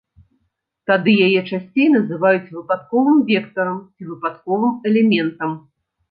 Тады яе часцей называюць выпадковым вектарам ці выпадковым элементам.